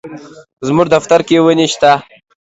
زموږ دفتر کي وني شته.